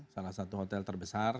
salah satu hotel terbesar